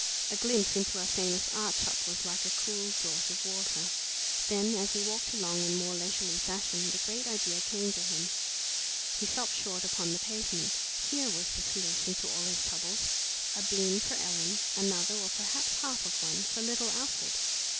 A glimpse into a famous art shop was like a cool draught of water. Then, as he walked along in more leisurely fashion, the great idea came to him. He stopped short upon the pavement. Here was the solution to all his troubles: a bean for Ellen; another, or perhaps half of one, for little Alfred!